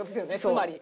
つまり。